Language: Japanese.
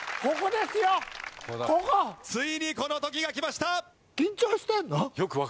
ついにこの時がきました。